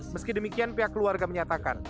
meski demikian pihak keluarga menyatakan